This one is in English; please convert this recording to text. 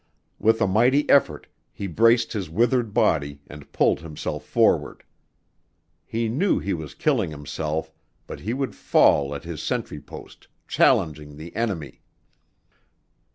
With a mighty effort he braced his withered body and pulled himself forward. He knew he was killing himself, but he would fall at his sentry post, challenging the enemy.